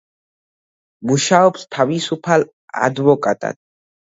მუშაობს თავისუფალ ადვოკატად.